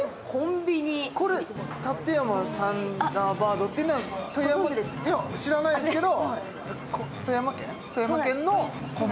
これ、立山サンダーバードというのは知らないですけど。